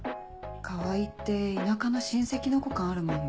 川合って田舎の親戚の子感あるもんね。